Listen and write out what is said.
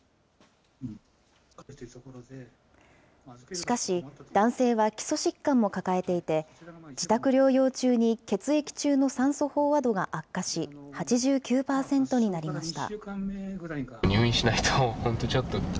しかし、男性は基礎疾患も抱えていて、自宅療養中に血液中の酸素飽和度が悪化し８９％になりました。